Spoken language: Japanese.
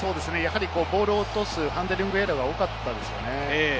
ボールを落とすハンドリングエラーが多かったですよね。